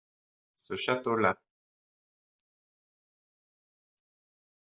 Ce château-là.